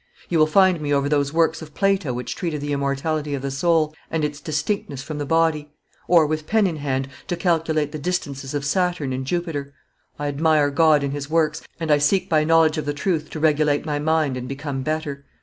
You will find me over those works of Plato which treat of the immortality of the soul and its distinctness from the body; or with pen in hand, to calculate the distances of Saturn and Jupiter. I admire God in His works, and I seek by knowledge of the truth to regulate my mind and become better.